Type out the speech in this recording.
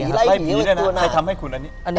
ใครทำให้คุณอันนี้